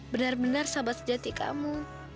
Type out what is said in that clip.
benar benar sahabat sejati kamu